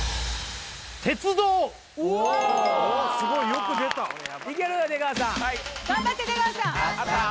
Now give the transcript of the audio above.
うわーすごいよく出たいけるよ出川さん頑張って出川さん